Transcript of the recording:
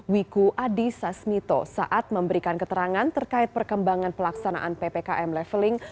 wiku adi sasmito saat memberikan keterangan terkait perkembangan pelaksanaan ppkm leveling